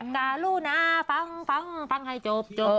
กระดูกนาฟังฟังให้จบก่อน